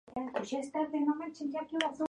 Escribió el drama lírico "Don Rodrigo".